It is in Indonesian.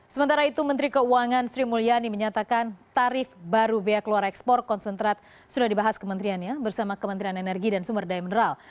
sementara itu menteri keuangan sri mulyani menyatakan tarif baru bea keluar ekspor konsentrat sudah dibahas kementeriannya bersama kementerian energi dan sumber daya mineral